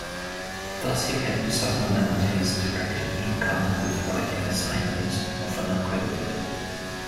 Thus, he had to supplement his directing income with writing assignments, often uncredited.